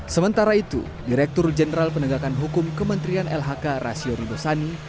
sementara itu direktur jenderal penegakan hukum kementerian lhk rasio ridosani